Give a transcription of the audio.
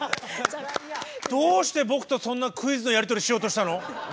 どうして僕とそんなクイズのやりとりしようとしたの？